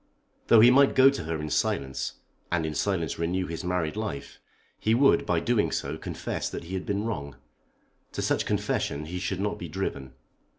Though he might go to her in silence, and in silence renew his married life, he would by so doing confess that he had been wrong. To such confession he should not be driven.